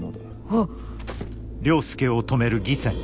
あっ！